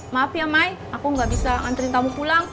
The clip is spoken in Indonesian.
maaf ya mai aku gak bisa nganterin kamu pulang